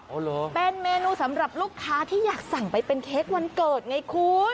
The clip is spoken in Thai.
เหรอเป็นเมนูสำหรับลูกค้าที่อยากสั่งไปเป็นเค้กวันเกิดไงคุณ